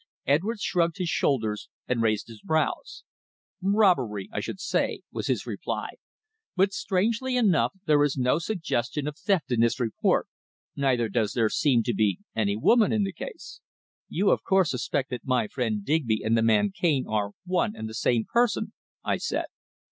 Edwards shrugged his shoulders, and raised his brows. "Robbery, I should say," was his reply. "But, strangely enough, there is no suggestion of theft in this report; neither does there seem to be any woman in the case." "You, of course, suspect that my friend Digby and the man Cane, are one and the same person!" I said.